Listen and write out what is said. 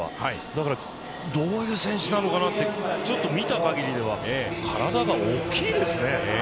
だからどういう選手なのかなって見た限りでは体が大きいですね。